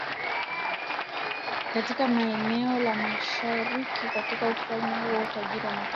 katika eneo la mashariki katika ufalme huo wenye utajiri wa mafuta